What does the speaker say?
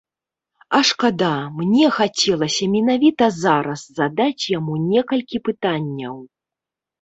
А шкада, мне хацелася менавіта зараз задаць яму некалькі пытанняў.